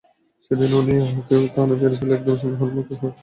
সেদিন উনি যখন আমাকে থানায় মেরেছিল একদম সিংহের মতো করে চলছিল।